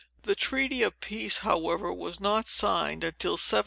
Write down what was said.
The treaty of peace, however, was not signed until 1763.